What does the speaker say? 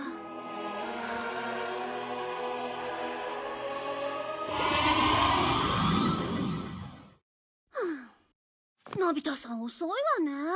はあのび太さん遅いわね。